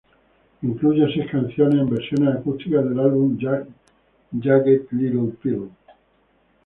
Incluye seis canciones en versiones acústicas del álbum "Jagged Little Pill.